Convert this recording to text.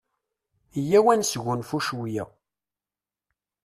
Iyyaw ad nesgunfu cwiya.